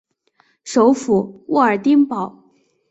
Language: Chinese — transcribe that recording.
首府沃尔丁堡。